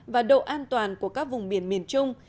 và độ an toàn của các vùng biển miền trung